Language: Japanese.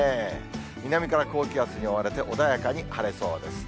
南から高気圧に覆われて、穏やかに晴れそうです。